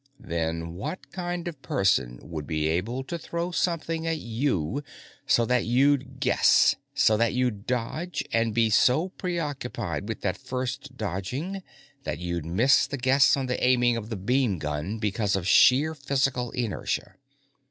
"Then what kind of person would be able to throw something at you so that you'd Guess, so that you'd dodge, and be so preoccupied with that first dodging that you'd miss the Guess on the aiming of the beamgun because of sheer physical inertia?